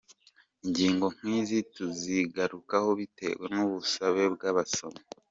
Ingingo nkizi tuzigarukaho bitewe n’ubusabe bwabasomyi.